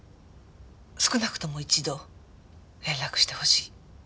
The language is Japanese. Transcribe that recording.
少なくとも一度連絡してほしい。